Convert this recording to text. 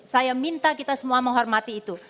saya minta kita semua menghormati itu